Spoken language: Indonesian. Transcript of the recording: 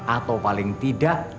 atau paling tidak